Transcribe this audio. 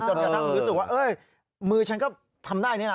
กระทั่งรู้สึกว่ามือฉันก็ทำได้นี่นะ